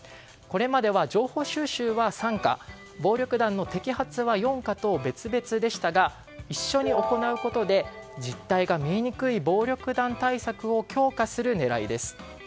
これまでは情報収集は３課暴力団の摘発は４課と別々でしたが一緒に行うことで実態が見えにくい暴力団対策を強化する狙いです。